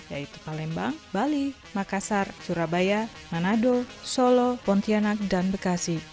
yaitu palembang bali makassar surabaya manado solo pontianak dan bekasi